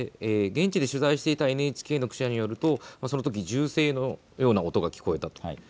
現地で取材していたＮＨＫの記者によると、そのとき銃声のような音が聞こえたと。